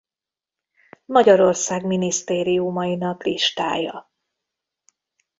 Magyarország minisztériumainak listája